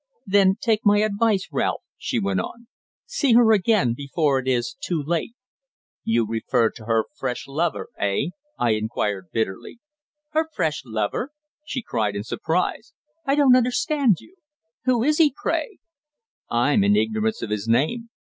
"Then take my advice, Ralph," she went on. "See her again before it is too late." "You refer to her fresh lover eh?" I inquired bitterly. "Her fresh lover?" she cried in surprise. "I don't understand you. Who is he, pray?" "I'm in ignorance of his name."